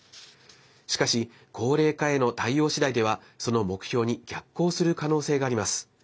しかし、高齢化への対応次第ではその目標に逆行する可能性があります。